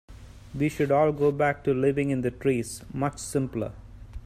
We should all go back to living in the trees, much simpler.